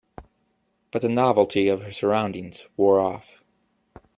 But the novelty of her surroundings wore off.